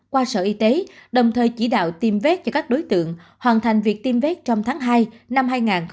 qua sở y tế đồng thời chỉ đạo tiêm vết cho các đối tượng hoàn thành việc tiêm vết trong tháng hai năm hai nghìn hai mươi hai